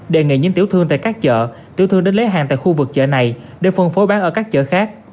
đề nghị những tiểu thương tại các chợ tiểu thương đến lấy hàng tại khu vực chợ này để phân phối bán ở các chợ khác